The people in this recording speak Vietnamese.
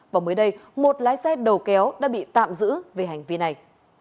và mới đây một lái xe đầu kéo đã bị tạm giữ về hành vi này